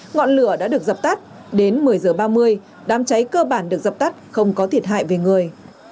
ngọn lửa đã được dập tắt đến một mươi h ba mươi đám cháy cơ bản được dập tắt không có thiệt hại về người